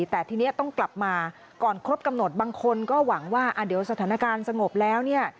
แต่ทีนี้ต้องกลับมาก่อนครบกำหนดบางคนก็หวังว่าเดี๋ยวสถานการณ์สงบแล้วเนี่ย